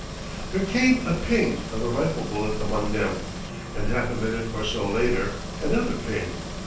There came a ping! of a rifle bullet among them; and half a minute or so later another ping!